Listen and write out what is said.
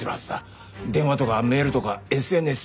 電話とかメールとかＳＮＳとか。